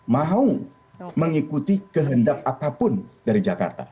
mau mengikuti kehendak apapun dari jakarta